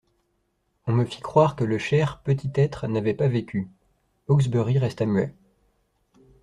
On me fit croire que le cher petit être n'avait pas vécu.» Hawksbury resta muet.